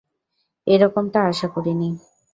এরকমটা আশা করিনি!